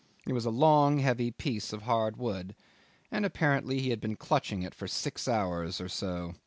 It was a long heavy piece of hard wood, and apparently he had been clutching it for six hours or so.